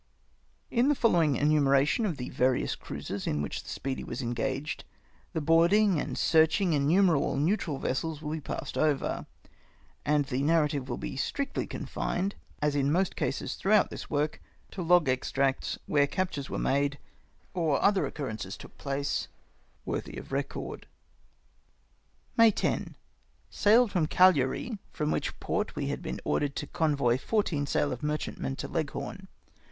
In the following enumeration of the various cruises m which the Speedy was engaged, the boarding and searching innumerable neutral vessels will be passed over, and the narrative will be strictly confined — as in most cases throughout this work — to log extracts, where captures were made, or other occurrences took place worthy of record, " May 10. — Sailed from Cagliari, from which port we had heen ordered to convoy fourteen sail of merchantmen to Leghorn.